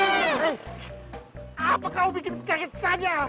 eh apa kamu bikin kaget saja